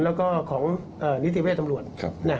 แล้วก็ของนิติเวศตำรวจ